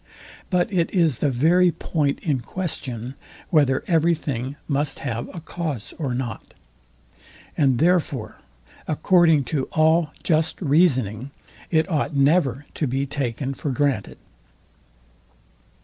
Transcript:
But it is the very point in question, whether every thing must have a cause or not; and therefore, according to all just reasoning, it ought never to be taken for granted.